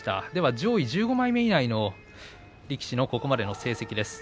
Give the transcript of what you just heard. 上位１５枚目以内の力士のここまでの成績です。